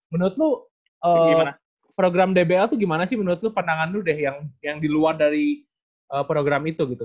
menurut lu program dbl tuh gimana sih menurut lu pandangan lu deh yang di luar dari program itu gitu